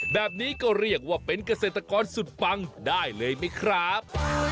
แบบนี้ก็เรียกว่าเป็นเกษตรกรสุดปังได้เลยไหมครับ